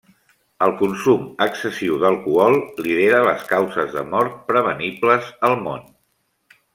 El consum excessiu d'alcohol lidera les causes de mort prevenibles al món.